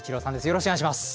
よろしくお願いします。